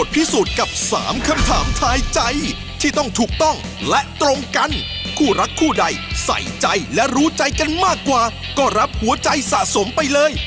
ถ้าคุณได้ใส่ใจและรู้ใจกันมากกว่าก็รับหัวใจสะสมไปเลย